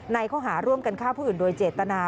ข้อหาร่วมกันฆ่าผู้อื่นโดยเจตนา